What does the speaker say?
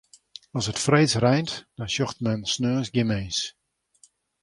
As it freeds reint, dan sjocht men sneons gjin mins.